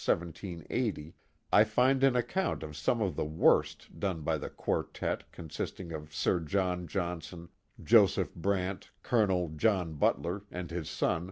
1780, I find an account of some of the work done by the quartette consisting of Sir John Johnson, Joseph Brant. Colonel John Butler, and his son.